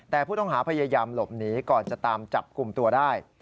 แต่ผู้ต้องหาพยายามหลบหนีก่อนจะตามจับกลุ่มตัวได้